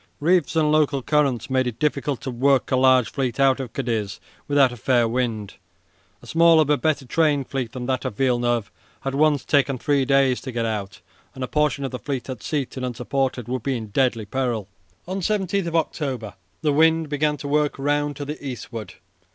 Reefs and local currents made it difficult to work a large fleet out of Cadiz without a fair wind. A smaller but better trained fleet than that of Villeneuve had once taken three days to get out, and a portion of the fleet at sea and unsupported would be in deadly peril. On 17 October the wind began to work round to the eastward.